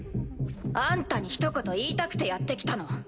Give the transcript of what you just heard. あんたにひと言言いたくてやってきたの。